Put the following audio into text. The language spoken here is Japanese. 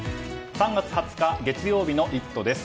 ３月２０日月曜日の「イット！」です。